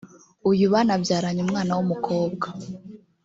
uyu banabyaranye umwana w’umukobwa